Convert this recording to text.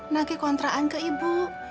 nagih kontraan ke ibu